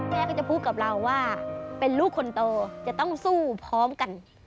แม่ก็จะพูดกับเราว่าเป็นลูกคนโตจะต้องสู้พร้อมกัน